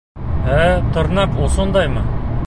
Ә-ә, тырнаҡ осондаймы?